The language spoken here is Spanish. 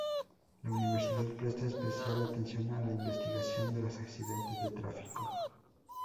La Universidad presta especial atención a la investigación de los accidentes de tráfico.